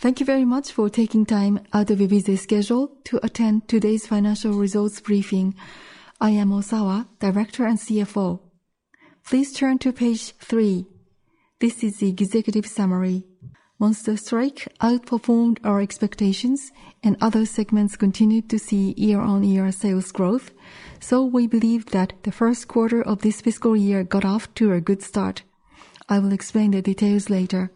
Thank you very much for taking time out of your busy schedule to attend today's financial results briefing. I am Osawa, Director and CFO. Please turn to page three. This is the executive summary. Monster Strike outperformed our expectations and other segments continued to see year-on-year sales growth. We believe that the first quarter of this fiscal year got off to a good start. I will explain the details later.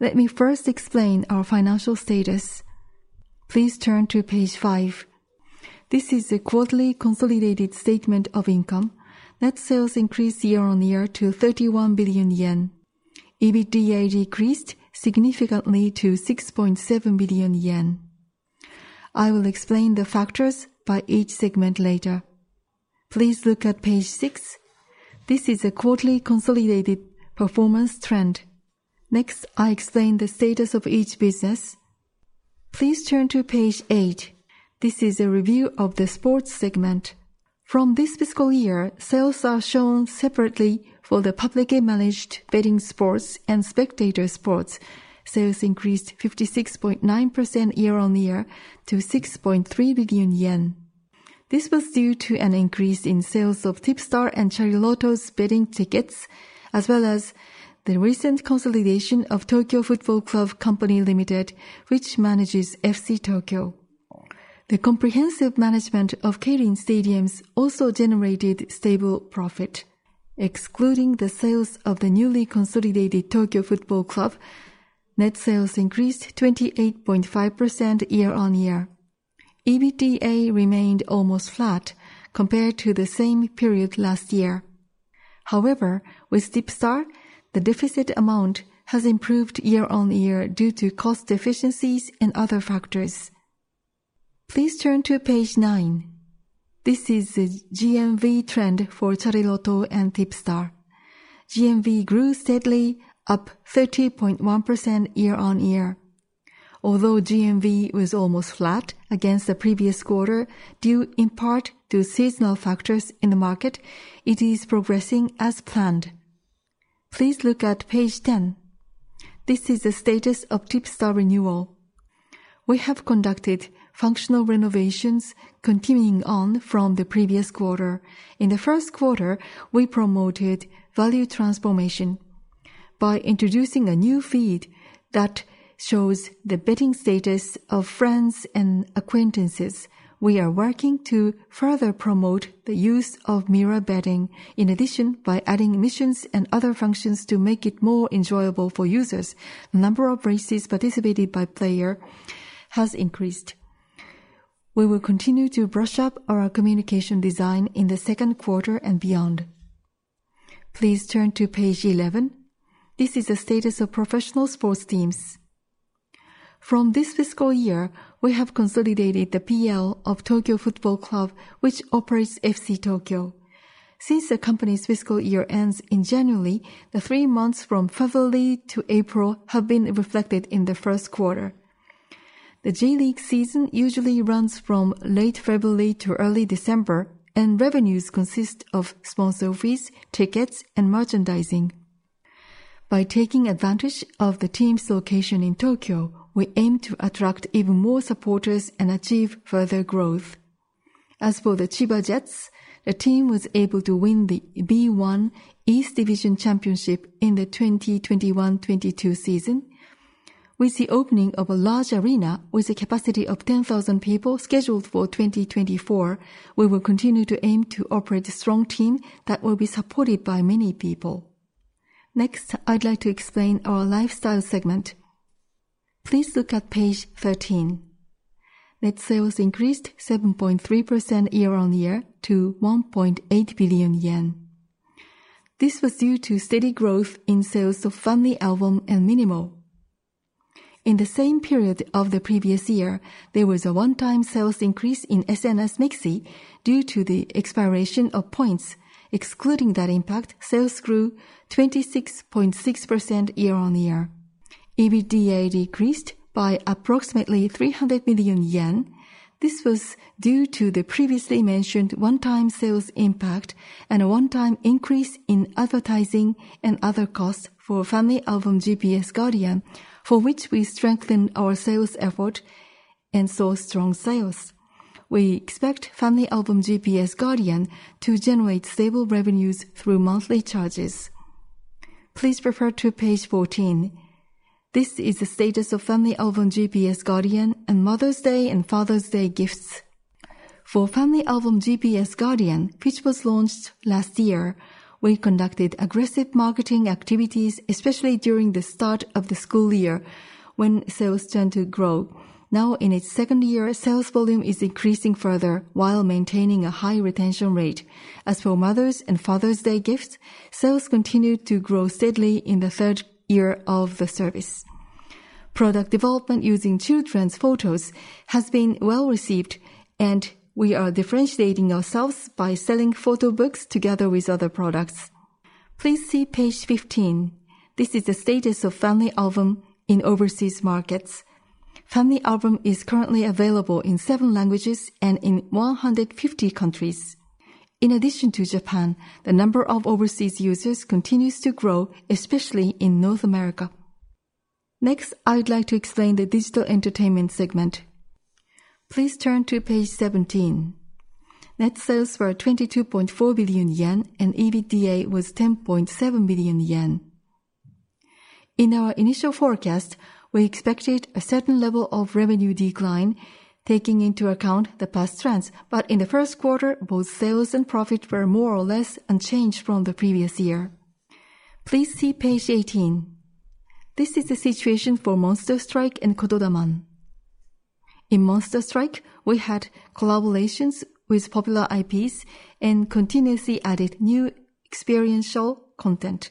Let me first explain our financial status. Please turn to page five. This is the quarterly consolidated statement of income. Net sales increased year-on-year to 31 billion yen. EBITDA decreased significantly to 6.7 billion yen. I will explain the factors by each segment later. Please look at page six. This is a quarterly consolidated performance trend. Next, I explain the status of each business. Please turn to page eight. This is a review of the sports segment. From this fiscal year, sales are shown separately for the publicly managed betting sports and spectator sports. Sales increased 56.9% year-on-year to 6.3 billion yen. This was due to an increase in sales of TIPSTAR and Chariloto's betting tickets, as well as the recent consolidation of Tokyo Football Club Co, Ltd, which manages FC Tokyo. The comprehensive management of Keirin Stadiums also generated stable profit. Excluding the sales of the newly consolidated Tokyo Football Club, net sales increased 28.5% year-on-year. EBITDA remained almost flat compared to the same period last year. However, with TIPSTAR, the deficit amount has improved year-on-year due to cost efficiencies and other factors. Please turn to page nine. This is the GMV trend for Chariloto and TIPSTAR. GMV grew steadily up 30.1% year-on-year. Although GMV was almost flat against the previous quarter, due in part to seasonal factors in the market, it is progressing as planned. Please look at page 10. This is the status of TIPSTAR renewal. We have conducted functional renovations continuing on from the previous quarter. In the first quarter, we promoted value transformation by introducing a new feed that shows the betting status of friends and acquaintances. We are working to further promote the use of mirror betting. In addition, by adding missions and other functions to make it more enjoyable for users, the number of races participated by player has increased. We will continue to brush up our communication design in the second quarter and beyond. Please turn to page 11. This is the status of professional sports teams. From this fiscal year, we have consolidated the PL of Tokyo Football Club, which operates FC Tokyo. Since the company's fiscal year ends in January, the three months from February to April have been reflected in the first quarter. The J.League season usually runs from late February to early December, and revenues consist of sponsor fees, tickets, and merchandising. By taking advantage of the team's location in Tokyo, we aim to attract even more supporters and achieve further growth. As for the Chiba Jets, the team was able to win the B1 East District championship in the 2021-2022 season. With the opening of a large arena with a capacity of 10,000 people scheduled for 2024, we will continue to aim to operate a strong team that will be supported by many people. Next, I'd like to explain our lifestyle segment. Please look at page 13. Net sales increased 7.3% year-on-year to 1.8 billion yen. This was due to steady growth in sales of FamilyAlbum and minimo. In the same period of the previous year, there was a one-time sales increase in SNS mixi due to the expiration of points. Excluding that impact, sales grew 26.6% year-on-year. EBITDA decreased by approximately 300 million yen. This was due to the previously mentioned one-time sales impact and a one-time increase in advertising and other costs for FamilyAlbum GPS Guardian, for which we strengthened our sales effort and saw strong sales. We expect FamilyAlbum GPS Guardian to generate stable revenues through monthly charges. Please refer to page 14. This is the status of FamilyAlbum GPS Guardian and Mother's Day and Father's Day gifts. For FamilyAlbum GPS Guardian, which was launched last year, we conducted aggressive marketing activities, especially during the start of the school year, when sales tend to grow. Now in its second year, sales volume is increasing further while maintaining a high retention rate. As for Mother's and Father's Day gifts, sales continued to grow steadily in the third year of the service. Product development using children's photos has been well-received, and we are differentiating ourselves by selling photo books together with other products. Please see page 15. This is the status of FamilyAlbum in overseas markets. FamilyAlbum is currently available in seven languages and in 150 countries. In addition to Japan, the number of overseas users continues to grow, especially in North America. Next, I would like to explain the digital entertainment segment. Please turn to page 17. Net sales were 22.4 billion yen, and EBITDA was 10.7 billion yen. In our initial forecast, we expected a certain level of revenue decline, taking into account the past trends. In the first quarter, both sales and profit were more or less unchanged from the previous year. Please see page 18. This is the situation for Monster Strike and Kotodaman. In Monster Strike, we had collaborations with popular IPs and continuously added new experiential content.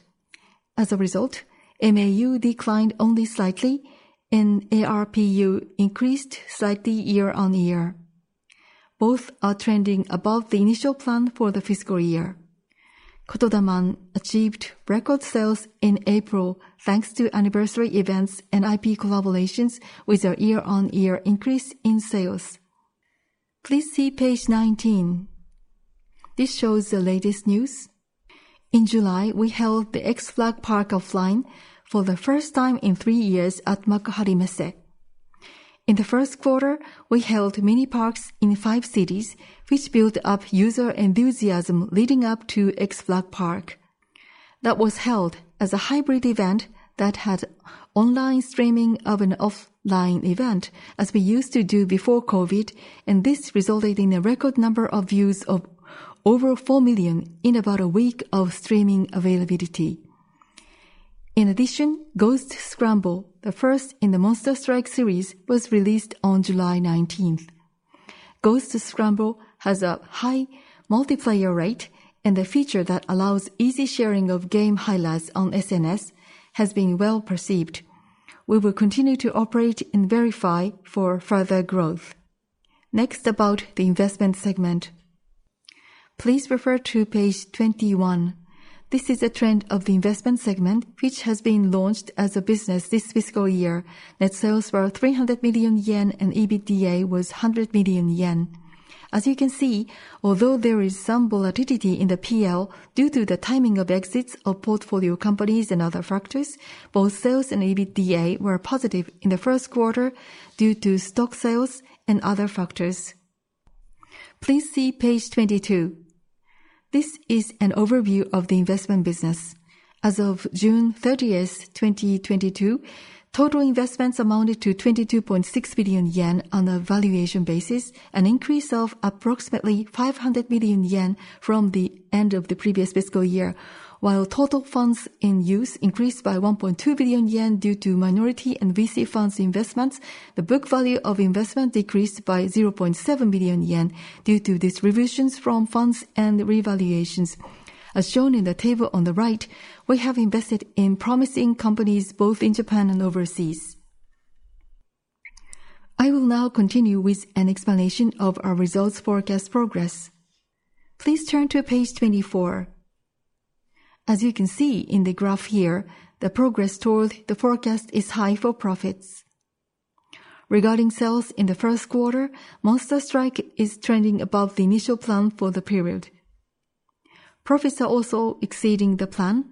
As a result, MAU declined only slightly and ARPU increased slightly year-on-year. Both are trending above the initial plan for the fiscal year. Kotodaman achieved record sales in April thanks to anniversary events and IP collaborations with a year-on-year increase in sales. Please see page 19. This shows the latest news. In July, we held the XFLAG PARK offline for the first time in three years at Makuhari Messe. In the first quarter, we held mini parks in five cities, which built up user enthusiasm leading up to XFLAG PARK. That was held as a hybrid event that had online streaming of an offline event as we used to do before COVID, and this resulted in a record number of views of over 4 million in about a week of streaming availability. In addition, Ghost Scramble, the first in the Monster Strike series, was released on July 19. Ghost Scramble has a high multiplayer rate, and the feature that allows easy sharing of game highlights on SNS has been well perceived. We will continue to operate and verify for further growth. Next, about the investment segment. Please refer to page 21. This is a trend of the investment segment, which has been launched as a business this fiscal year. Net sales were 300 million yen, and EBITDA was 100 million yen. As you can see, although there is some volatility in the PL due to the timing of exits of portfolio companies and other factors, both sales and EBITDA were positive in the first quarter due to stock sales and other factors. Please see page 22. This is an overview of the investment business. As of June 30th, 2022, total investments amounted to 22.6 billion yen on a valuation basis, an increase of approximately 500 million yen from the end of the previous fiscal year. While total funds in use increased by 1.2 billion yen due to minority and VC funds investments, the book value of investment decreased by 0.7 billion yen due to distributions from funds and revaluations. As shown in the table on the right, we have invested in promising companies both in Japan and overseas. I will now continue with an explanation of our results forecast progress. Please turn to page 24. As you can see in the graph here, the progress toward the forecast is high for profits. Regarding sales in the first quarter, Monster Strike is trending above the initial plan for the period. Profits are also exceeding the plan.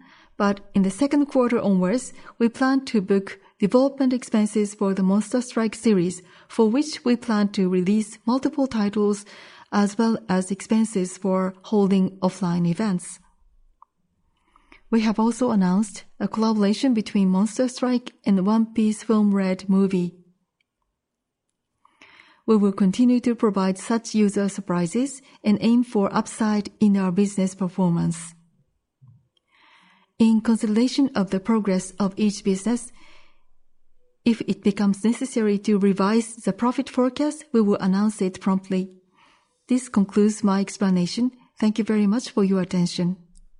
In the second quarter onwards, we plan to book development expenses for the Monster Strike series, for which we plan to release multiple titles, as well as expenses for holding offline events. We have also announced a collaboration between Monster Strike and the One Piece Film: Red movie. We will continue to provide such user surprises and aim for upside in our business performance. In consideration of the progress of each business, if it becomes necessary to revise the profit forecast, we will announce it promptly. This concludes my explanation. Thank you very much for your attention.